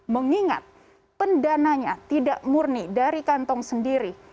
mengingat pendananya tidak murni dari kantong sendiri